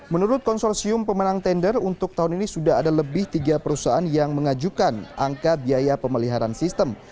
menurut konsorsium pemenang tender untuk tahun ini sudah ada lebih tiga perusahaan yang mengajukan angka biaya pemeliharaan sistem